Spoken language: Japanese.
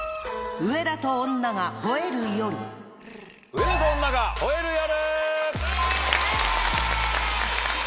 『上田と女が吠える夜』！